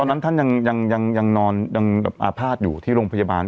ตอนนั้นท่านยังนอนยังอภาพอยู่ที่โรงพยาบาล